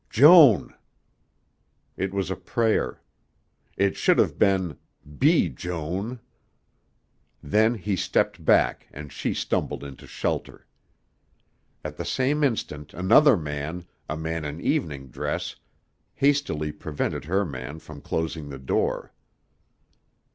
"Joan." It was a prayer. It should have been, "Be Joan." Then he stepped back and she stumbled into shelter. At the same instant another man a man in evening dress hastily prevented her man from closing the door.